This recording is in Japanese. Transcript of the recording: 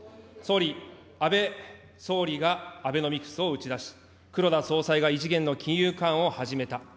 総理、安倍総理がアベノミクスを打ち出し、黒田総裁が異次元の金融緩和を始めた。